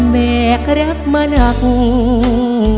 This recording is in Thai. แม่ก็รักมาหนัง